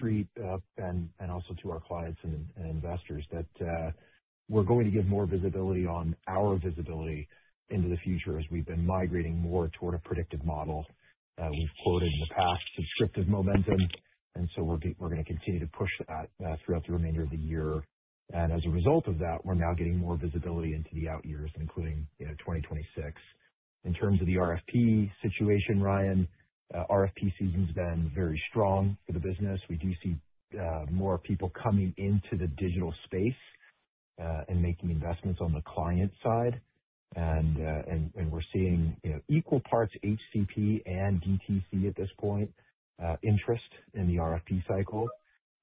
And also to our clients and investors, that we're going to give more visibility on our visibility into the future as we've been migrating more toward a predictive model. We've quoted in the past subscription momentum, and so we're going to continue to push that throughout the remainder of the year, and as a result of that, we're now getting more visibility into the out years, including 2026. In terms of the RFP situation, Ryan, RFP season's been very strong for the business. We do see more people coming into the digital space and making investments on the client side. And we're seeing equal parts HCP and DTC at this point, interest in the RFP cycle.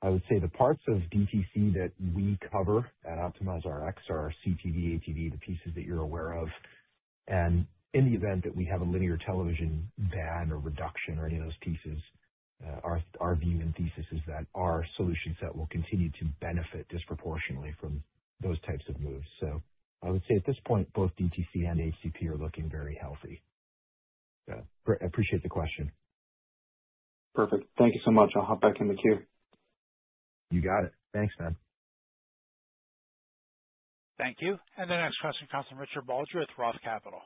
I would say the parts of DTC that we cover at OptimizeRx are CTV, ATV, the pieces that you're aware of. And in the event that we have a linear television ban or reduction or any of those pieces, our view and thesis is that our solution set will continue to benefit disproportionately from those types of moves. So I would say at this point, both DTC and HCP are looking very healthy. I appreciate the question. Perfect. Thank you so much. I'll hop back in the queue. You got it. Thanks, man. Thank you, and the next question comes from Richard Baldry with Roth Capital.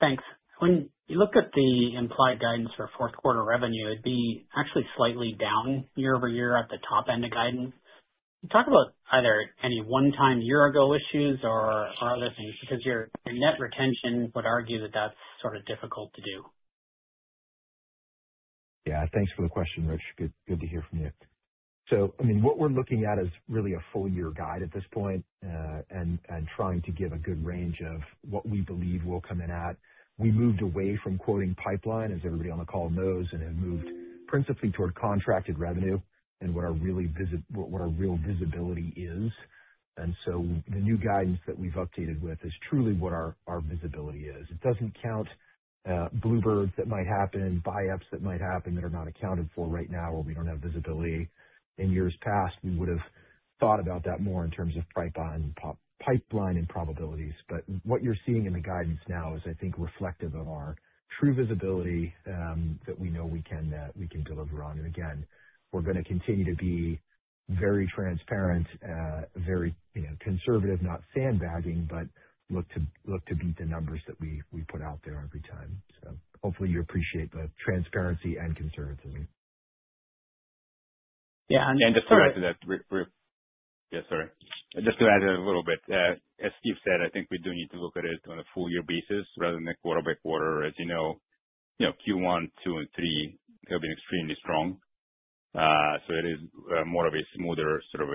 Thanks. When you look at the implied guidance for fourth quarter revenue, it'd be actually slightly down year-over-year at the top end of guidance. Talk about either any one-time year-ago issues or other things, because your net retention would argue that that's sort of difficult to do. Yeah, thanks for the question, Rich. Good to hear from you. So I mean, what we're looking at is really a full-year guide at this point and trying to give a good range of what we believe we'll come in at. We moved away from quoting pipeline, as everybody on the call knows, and have moved principally toward contracted revenue and what our real visibility is. And so the new guidance that we've updated with is truly what our visibility is. It doesn't count bluebird that might happen, buyups that might happen that are not accounted for right now, or we don't have visibility. In years past, we would have thought about that more in terms of pipeline and probabilities. But what you're seeing in the guidance now is, I think, reflective of our true visibility that we know we can deliver on. Again, we're going to continue to be very transparent, very conservative, not sandbagging, but look to beat the numbers that we put out there every time. Hopefully you appreciate the transparency and conservatism. Yeah. And just to add to that, yeah, sorry. Just to add a little bit, as Steve said, I think we do need to look at it on a full-year basis rather than quarter by quarter. As you know, Q1, Q2, and Q3 have been extremely strong. So it is more of a smoother sort of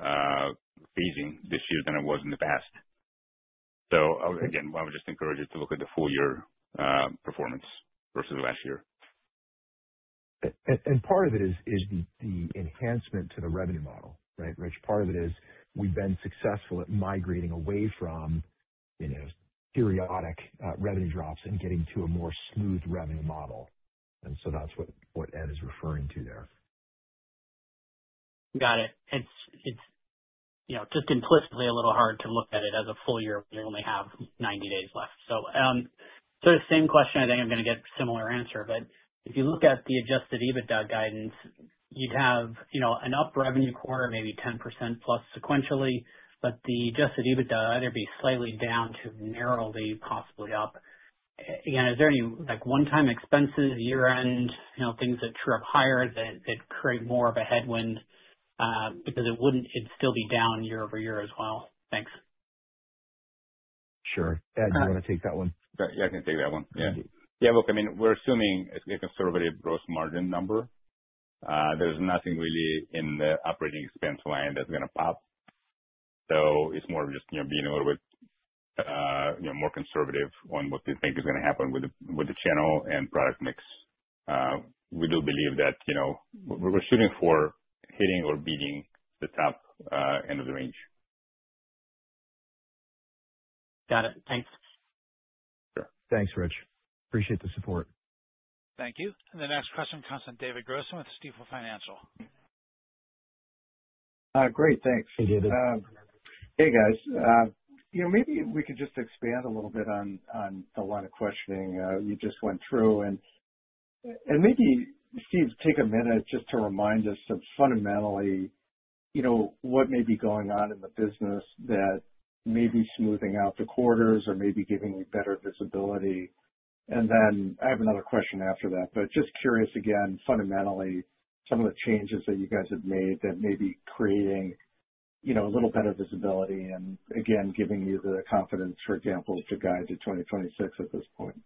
phasing this year than it was in the past. So again, I would just encourage you to look at the full-year performance versus last year. And part of it is the enhancement to the revenue model, right, Rich? Part of it is we've been successful at migrating away from periodic revenue drops and getting to a more smooth revenue model. And so that's what Ed is referring to there. Got it. It's just implicitly a little hard to look at it as a full year. We only have 90 days left. So the same question, I think I'm going to get a similar answer. But if you look at the Adjusted EBITDA guidance, you'd have an up revenue quarter, maybe 10% plus sequentially, but the Adjusted EBITDA would either be slightly down to narrowly, possibly up. Again, is there any one-time expenses, year-end, things that true up higher that create more of a headwind because it wouldn't still be down year-over-year as well? Thanks. Sure. Ed, do you want to take that one? Yeah, I can take that one. Yeah. Yeah, look, I mean, we're assuming a conservative gross margin number. There's nothing really in the operating expense line that's going to pop. So it's more of just being a little bit more conservative on what we think is going to happen with the channel and product mix. We do believe that we're shooting for hitting or beating the top end of the range. Got it. Thanks. Thanks, Rich. Appreciate the support. Thank you. And the next question comes from David Grossman with Stifel Financial. Great. Thanks. Hey, guys. Maybe we could just expand a little bit on the line of questioning you just went through. And maybe, Steve, take a minute just to remind us of fundamentally what may be going on in the business that may be smoothing out the quarters or maybe giving you better visibility. And then I have another question after that, but just curious again, fundamentally, some of the changes that you guys have made that may be creating a little better visibility and, again, giving you the confidence, for example, to guide to 2026 at this point.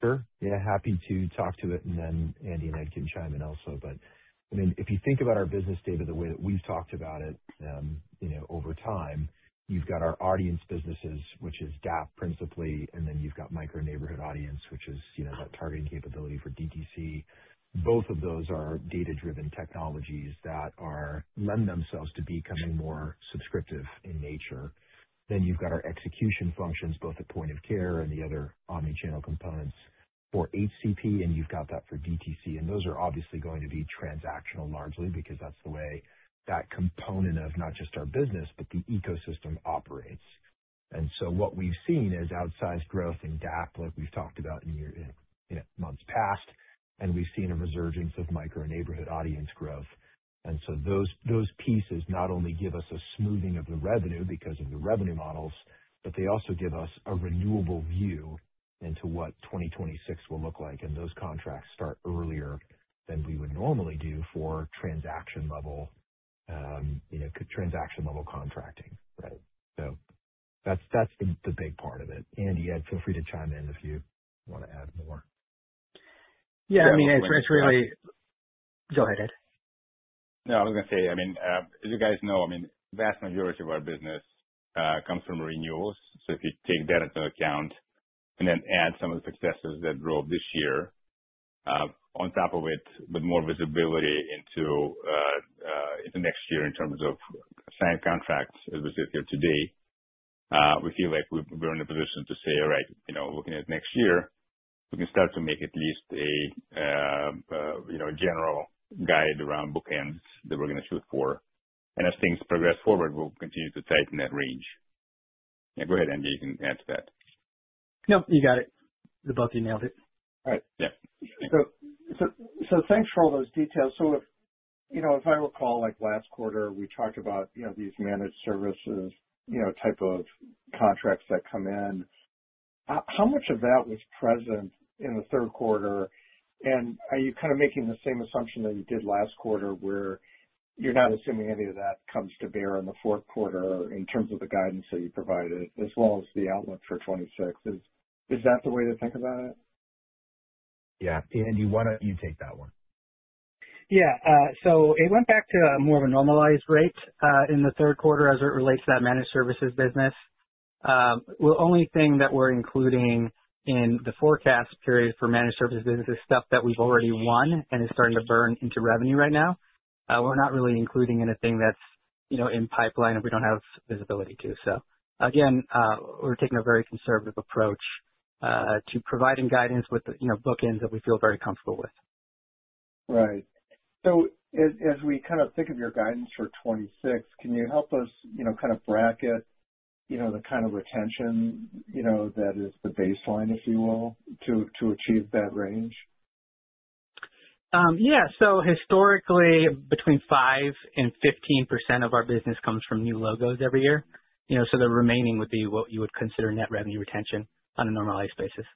Sure. Yeah, happy to talk to it. And then Andy and Ed can chime in also. But I mean, if you think about our business data the way that we've talked about it over time, you've got our audience businesses, which is DAAP principally, and then you've got Micro-Neighborhood audience, which is that targeting capability for DTC. Both of those are data-driven technologies that lend themselves to becoming more subscription in nature. Then you've got our execution functions, both at point of care and the other omnichannel components for HCP, and you've got that for DTC. And those are obviously going to be transactional largely because that's the way that component of not just our business, but the ecosystem operates. And so what we've seen is outsized growth in DAAP, like we've talked about in months past, and we've seen a resurgence of Micro-Neighborhood audience growth. And so those pieces not only give us a smoothing of the revenue because of the revenue models, but they also give us a renewable view into what 2026 will look like. And those contracts start earlier than we would normally do for transaction-level contract, right? So that's the big part of it. Andy, Ed, feel free to chime in if you want to add more. Yeah, I mean, it's really. Go ahead, Ed. No, I was going to say, I mean, as you guys know, I mean, the vast majority of our business comes from renewals. So if you take that into account and then add some of the successes that drove this year on top of it, with more visibility into next year in terms of signed contracts, as we sit here today, we feel like we're in a position to say, "All right, looking at next year, we can start to make at least a general guide around bookends that we're going to shoot for." And as things progress forward, we'll continue to tighten that range. Yeah, go ahead, Andy. You can add to that. No, you got it. You both nailed it. All right. Yeah. Thanks for all those details. If I recall, last quarter, we talked about these managed services type of contracts that come in. How much of that was present in the third quarter? And are you kind of making the same assumption that you did last quarter, where you're not assuming any of that comes to bear in the fourth quarter in terms of the guidance that you provided, as well as the outlook for 2026? Is that the way to think about it? Yeah. Andy, why don't you take that one? Yeah. So it went back to more of a normalized rate in the third quarter as it relates to that managed services business. The only thing that we're including in the forecast period for managed services business is stuff that we've already won and is starting to burn into revenue right now. We're not really including anything that's in pipeline if we don't have visibility to. So again, we're taking a very conservative approach to providing guidance with bookends that we feel very comfortable with. Right. So as we kind of think of your guidance for 2026, can you help us kind of bracket the kind of retention that is the baseline, if you will, to achieve that range? Yeah. So historically, between five and 15% of our business comes from new logos every year. So the remaining would be what you would consider net revenue retention on a normalized basis.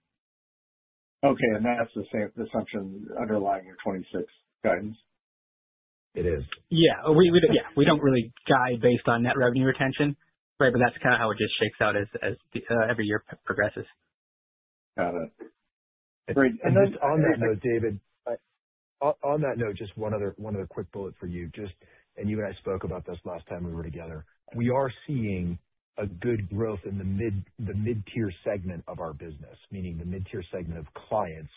Okay. And that's the same assumption underlying your 2026 guidance? It is. Yeah. Yeah. We don't really guide based on net revenue retention, right? But that's kind of how it just shakes out as every year progresses. Got it. Great. And then on that note, David, on that note, just one other quick bullet for you. And you and I spoke about this last time we were together. We are seeing a good growth in the mid-tier segment of our business, meaning the mid-tier segment of clients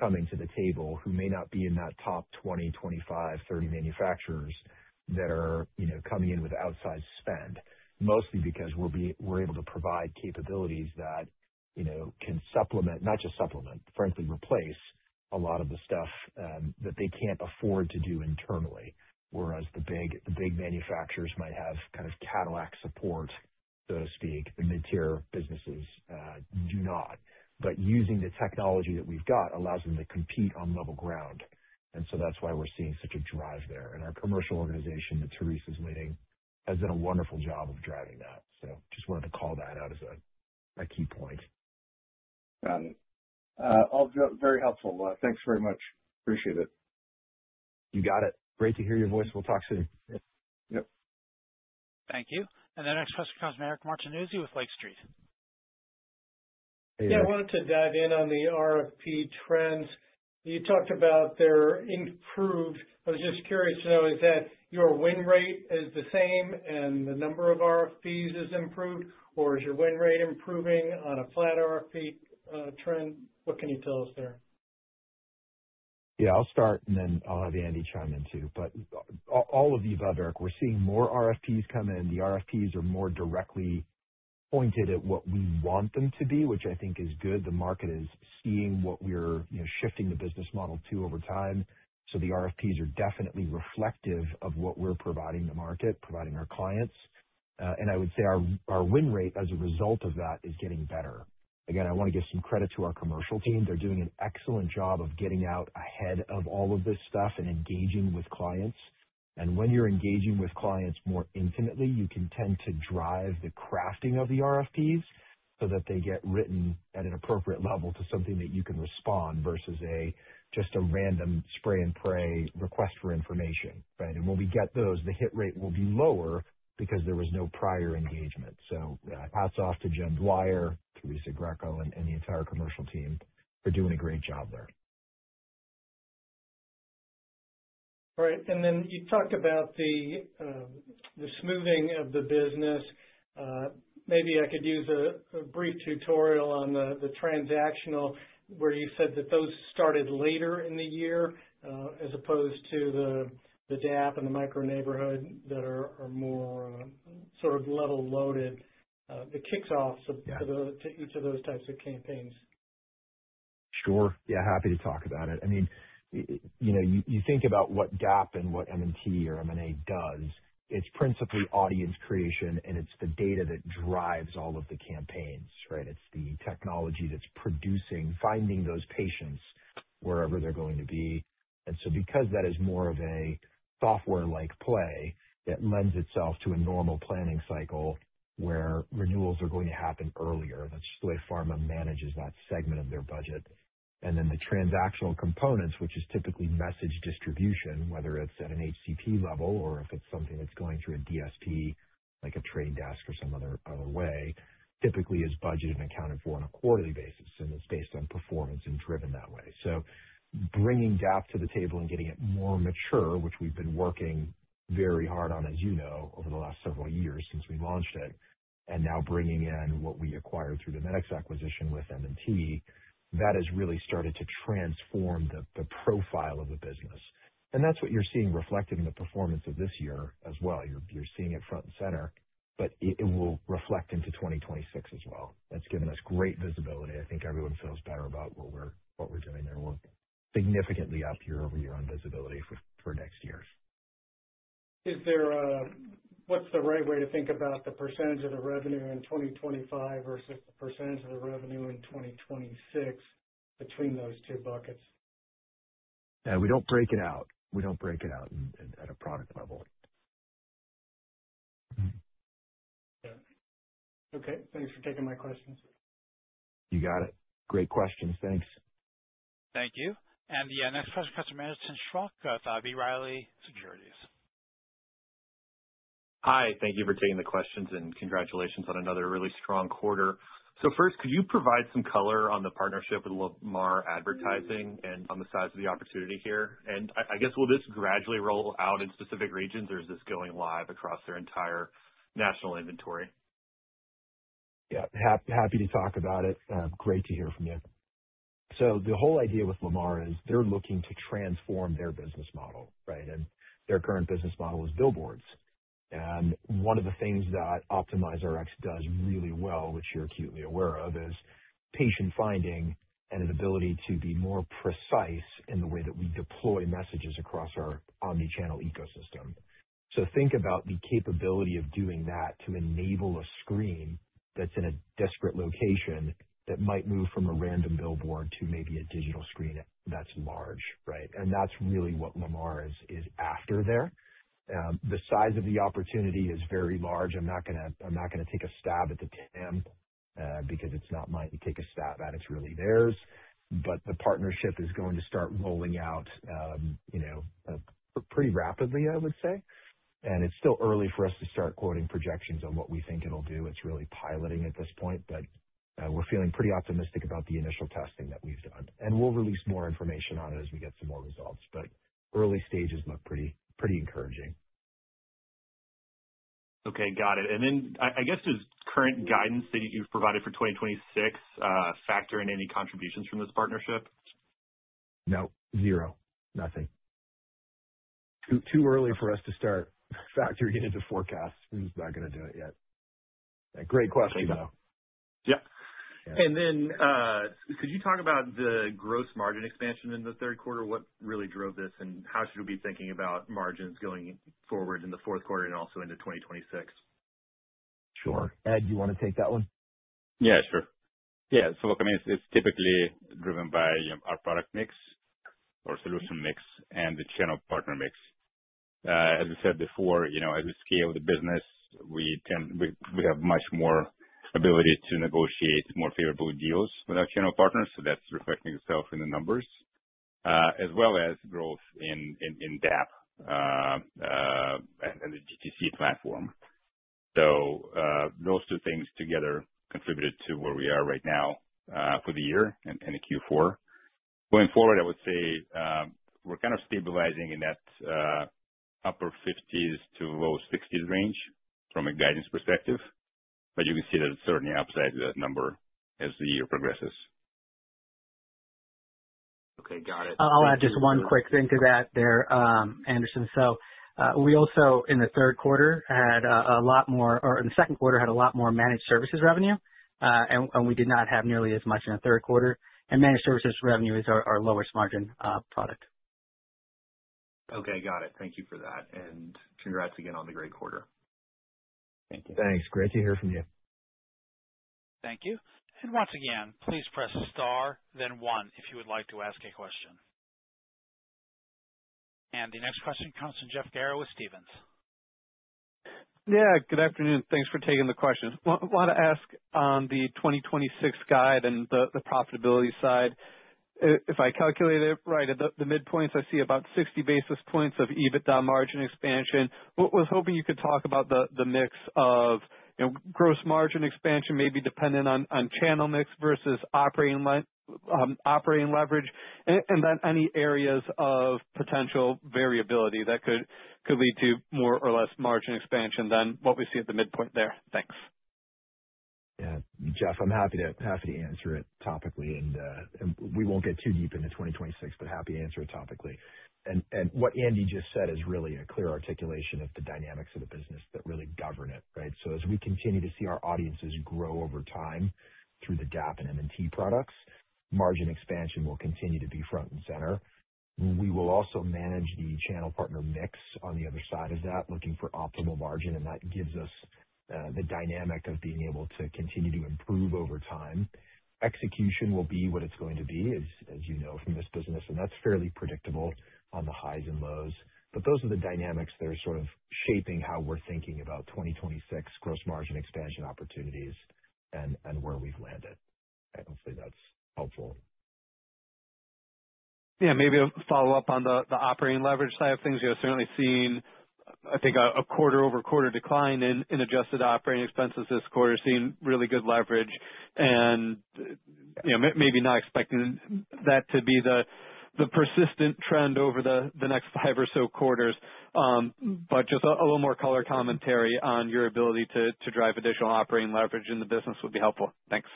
coming to the table who may not be in that top 20, 25, 30 manufacturers that are coming in with outsized spend, mostly because we're able to provide capabilities that can supplement, not just supplement, frankly, replace a lot of the stuff that they can't afford to do internally, whereas the big manufacturers might have kind of Cadillac support, so to speak. The mid-tier businesses do not. But using the technology that we've got allows them to compete on level ground. And so that's why we're seeing such a drive there. Our commercial organization that Theresa's leading has done a wonderful job of driving that. Just wanted to call that out as a key point. Got it. All very helpful. Thanks very much. Appreciate it. You got it. Great to hear your voice. We'll talk soon. Yep. Thank you. And the next question comes from Eric Martinuzzi with Lake Street. Yeah, I wanted to dive in on the RFP trends. You talked about them improved. I was just curious to know, is that your win rate is the same and the number of RFPs is improved, or is your win rate improving on a flat RFP trend? What can you tell us there? Yeah, I'll start, and then I'll have Andy chime in too. But all of the above, Eric, we're seeing more RFPs come in. The RFPs are more directly pointed at what we want them to be, which I think is good. The market is seeing what we're shifting the business model to over time. So the RFPs are definitely reflective of what we're providing the market, providing our clients. And I would say our win rate as a result of that is getting better. Again, I want to give some credit to our commercial team. They're doing an excellent job of getting out ahead of all of this stuff and engaging with clients. When you're engaging with clients more intimately, you can tend to drive the crafting of the RFPs so that they get written at an appropriate level to something that you can respond versus just a random spray and pray request for information, right? When we get those, the hit rate will be lower because there was no prior engagement. Hats off to Jim Dwyer, Theresa Greco, and the entire commercial team for doing a great job there. All right. And then you talked about the smoothing of the business. Maybe I could use a brief tutorial on the transactional, where you said that those started later in the year as opposed to the DAAP and the Micro-Neighborhood that are more sort of level loaded, the kickoffs to each of those types of campaigns. Sure. Yeah, happy to talk about it. I mean, you think about what DAAP and what MNT or M&A does, it's principally audience creation, and it's the data that drives all of the campaigns, right? It's the technology that's producing, finding those patients wherever they're going to be. And so because that is more of a software-like play, it lends itself to a normal planning cycle where renewals are going to happen earlier. That's just the way pharma manages that segment of their budget. And then the transactional components, which is typically message distribution, whether it's at an HCP level or if it's something that's going through a DSP, like The Trade Desk or some other way, typically is budgeted and accounted for on a quarterly basis. And it's based on performance and driven that way. So bringing DAAP to the table and getting it more mature, which we've been working very hard on, as you know, over the last several years since we launched it, and now bringing in what we acquired through the Medicx acquisition with MNT, that has really started to transform the profile of the business. And that's what you're seeing reflected in the performance of this year as well. You're seeing it front and center, but it will reflect into 2026 as well. That's given us great visibility. I think everyone feels better about what we're doing there. We're significantly up year-over-year on visibility for next year. What's the right way to think about the percentage of the revenue in 2025 versus the percentage of the revenue in 2026 between those two buckets? Yeah, we don't break it out. We don't break it out at a product level. Yeah. Okay. Thanks for taking my questions. You got it. Great questions. Thanks. Thank you. And the next question comes from Anderson Schock, B. Riley Securities. Hi. Thank you for taking the questions, and congratulations on another really strong quarter. So first, could you provide some color on the partnership with Lamar Advertising and on the size of the opportunity here? And I guess, will this gradually roll out in specific regions, or is this going live across their entire national inventory? Yeah. Happy to talk about it. Great to hear from you. So the whole idea with Lamar is they're looking to transform their business model, right? And their current business model is billboards. And one of the things that OptimizeRx does really well, which you're acutely aware of, is patient finding and an ability to be more precise in the way that we deploy messages across our omnichannel ecosystem. So think about the capability of doing that to enable a screen that's in a desirable location that might move from a random billboard to maybe a digital screen that's large, right? And that's really what Lamar is after there. The size of the opportunity is very large. I'm not going to take a stab at the TAM because it's not mine to take a stab at. It's really theirs. But the partnership is going to start rolling out pretty rapidly, I would say. And it's still early for us to start quoting projections on what we think it'll do. It's really piloting at this point, but we're feeling pretty optimistic about the initial testing that we've done. And we'll release more information on it as we get some more results. But early stages look pretty encouraging. Okay. Got it, and then I guess, does current guidance that you've provided for 2026 factor in any contributions from this partnership? No. Zero. Nothing. Too early for us to start factoring it into forecasts. We're just not going to do it yet. Great question, though. Yep. And then could you talk about the gross margin expansion in the third quarter? What really drove this, and how should we be thinking about margins going forward in the fourth quarter and also into 2026? Sure. Ed, you want to take that one? Yeah, sure. Yeah. So look, I mean, it's typically driven by our product mix or solution mix and the channel partner mix. As we said before, as we scale the business, we have much more ability to negotiate more favorable deals with our channel partners. So that's reflecting itself in the numbers, as well as growth in DAAP and the DTC platform. So those two things together contributed to where we are right now for the year and the Q4. Going forward, I would say we're kind of stabilizing in that upper 50s to low 60s range from a guidance perspective. But you can see that it's certainly upside to that number as the year progresses. Okay. Got it. I'll add just one quick thing to that there, Anderson, so we also, in the third quarter, had a lot more or in the second quarter, had a lot more managed services revenue, and we did not have nearly as much in the third quarter, and managed services revenue is our lowest margin product. Okay. Got it. Thank you for that. And congrats again on the great quarter. Thank you. Thanks. Great to hear from you. Thank you. And once again, please press star, then one if you would like to ask a question. And the next question comes from Jeff Garro with Stephens. Yeah. Good afternoon. Thanks for taking the question. Want to ask on the 2026 guide and the profitability side. If I calculate it right, at the midpoint, I see about 60 basis points of EBITDA margin expansion. Was hoping you could talk about the mix of gross margin expansion, maybe dependent on channel mix versus operating leverage, and then any areas of potential variability that could lead to more or less margin expansion than what we see at the midpoint there? Thanks. Yeah. Jeff, I'm happy to answer it topically. And we won't get too deep into 2026, but happy to answer it topically. And what Andy just said is really a clear articulation of the dynamics of the business that really govern it, right? So as we continue to see our audiences grow over time through the DAAP and MNT products, margin expansion will continue to be front and center. We will also manage the channel partner mix on the other side of that, looking for optimal margin. And that gives us the dynamic of being able to continue to improve over time. Execution will be what it's going to be, as you know, from this business. And that's fairly predictable on the highs and lows. But those are the dynamics that are sort of shaping how we're thinking about 2026 gross margin expansion opportunities and where we've landed. I hope that's helpful. Yeah. Maybe a follow-up on the operating leverage side of things. We've certainly seen, I think, a quarter-over-quarter decline in adjusted operating expenses this quarter, seeing really good leverage. And maybe not expecting that to be the persistent trend over the next five or so quarters. But just a little more color commentary on your ability to drive additional operating leverage in the business would be helpful. Thanks.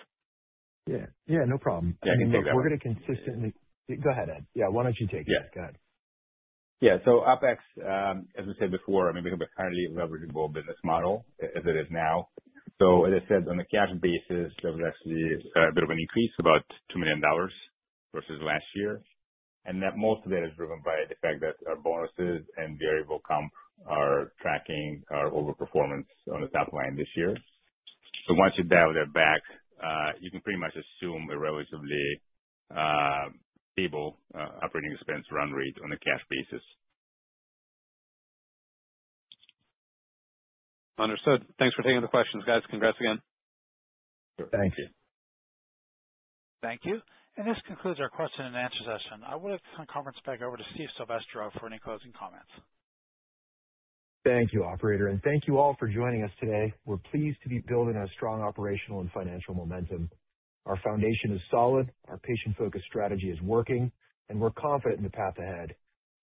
Yeah. Yeah. No problem. Yeah. I think we're going to consistently. Yeah. Go ahead, Ed. Yeah. Why don't you take it? Go ahead. Yeah. So OpEx, as we said before, I mean, we have a highly leverageable business model as it is now. So as I said, on a cash basis, there was actually a bit of an increase, about $2 million versus last year. And most of that is driven by the fact that our bonuses and variable comp are tracking our overperformance on the top line this year. So once you dial that back, you can pretty much assume a relatively stable operating expense run rate on a cash basis. Understood. Thanks for taking the questions, guys. Congrats again. Thank you. Thank you. This concludes our question and answer session. I want to turn the conference back over to Steve Silvestro for any closing comments. Thank you, operator, and thank you all for joining us today. We're pleased to be building on strong operational and financial momentum. Our foundation is solid. Our patient-focused strategy is working, and we're confident in the path ahead.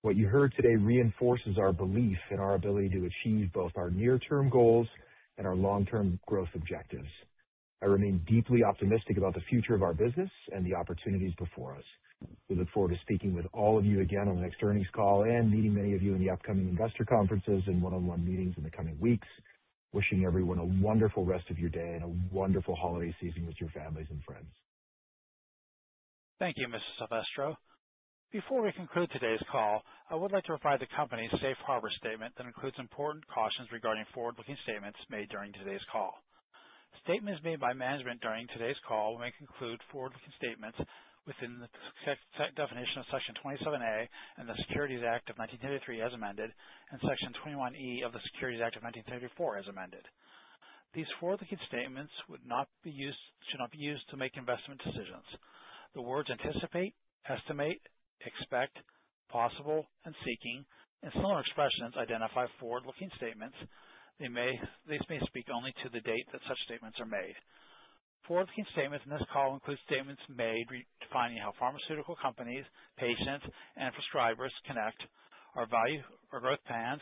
What you heard today reinforces our belief in our ability to achieve both our near-term goals and our long-term growth objectives. I remain deeply optimistic about the future of our business and the opportunities before us. We look forward to speaking with all of you again on the next earnings call and meeting many of you in the upcoming investor conferences and one-on-one meetings in the coming weeks. Wishing everyone a wonderful rest of your day and a wonderful holiday season with your families and friends. Thank you, Mr. Silvestro. Before we conclude today's call, I would like to provide the company's safe harbor statement that includes important cautions regarding forward-looking statements made during today's call. Statements made by management during today's call may include forward-looking statements within the definition of Section 27A of the Securities Act of 1933, as amended, and Section 21E of the Securities Exchange Act of 1934, as amended. These forward-looking statements should not be used to make investment decisions. The words anticipate, estimate, expect, possible, and seeking, and similar expressions identify forward-looking statements. These may speak only to the date that such statements are made. Forward-looking statements in this call include statements made defining how pharmaceutical companies, patients, and prescribers connect our growth paths,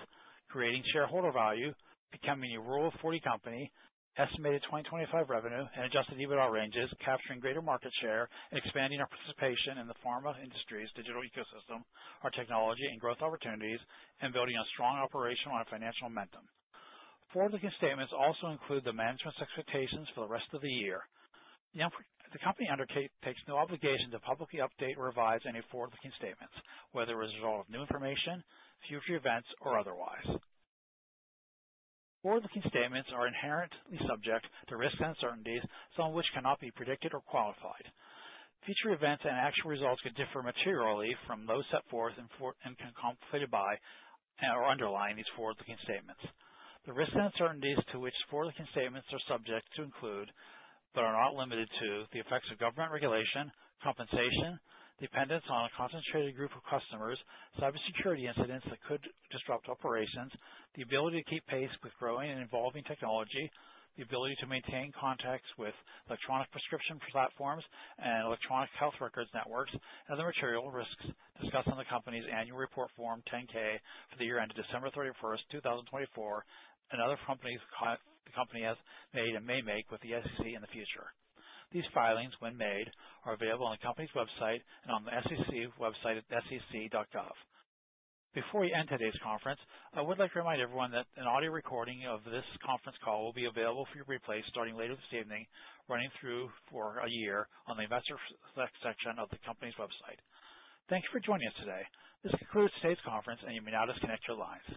creating shareholder value, becoming a Rule of 40 company, estimated 2025 revenue, and Adjusted EBITDA ranges, capturing greater market share, expanding our participation in the pharma industry's digital ecosystem, our technology and growth opportunities, and building a strong operational and financial momentum. Forward-looking statements also include the management's expectations for the rest of the year. The company undertakes no obligation to publicly update or revise any forward-looking statements, whether as a result of new information, future events, or otherwise. Forward-looking statements are inherently subject to risks and uncertainties, some of which cannot be predicted or qualified. Future events and actual results could differ materially from those set forth and can complicate or undermine these forward-looking statements. The risks and uncertainties to which forward-looking statements are subject to include, but are not limited to, the effects of government regulation, competition, dependence on a concentrated group of customers, cybersecurity incidents that could disrupt operations, the ability to keep pace with growing and evolving technology, the ability to maintain contacts with electronic prescription platforms and electronic health records networks, and the material risks discussed in the company's annual report on Form 10-K for the year ended December 31st, 2024, and other communications the company has made and may make with the SEC in the future. These filings, when made, are available on the company's website and on the SEC website at sec.gov. Before we end today's conference, I would like to remind everyone that an audio recording of this conference call will be available for your replay starting later this evening, running through for a year on the Investor Relations section of the company's website. Thank you for joining us today. This concludes today's conference, and you may now disconnect your lines.